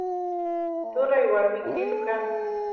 turay warmilu kan